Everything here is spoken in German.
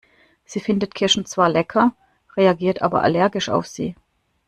Sie findet Kirschen zwar lecker, reagiert aber allergisch auf sie.